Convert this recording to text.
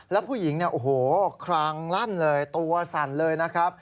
แล้วผู้หญิงเนี่ยโอ้โหคลางลั่นเลยตัวสั่นเลยนะครับ